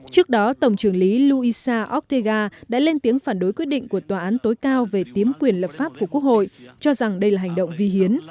trước đó tổng trưởng lý louisa otega đã lên tiếng phản đối quyết định của tòa án tối cao về kiếm quyền lập pháp của quốc hội cho rằng đây là hành động vi hiến